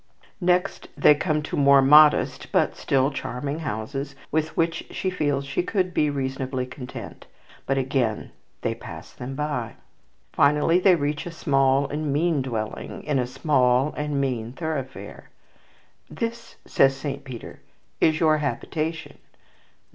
Next they come to more modest but still charming houses with which she feels she could be reasonably content; but again they pass them by. Finally they reach a small and mean dwelling in a small and mean thoroughfare. "This," says Saint Peter, "is your habitation."